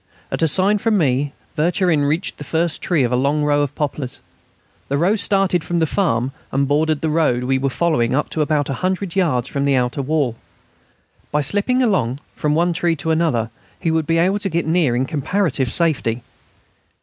At a sign from me Vercherin reached the first tree of a long row of poplars. The row started from the farm and bordered the road we were following up to about 100 yards from the outer wall. By slipping along from one tree to another he would be able to get near in comparative safety.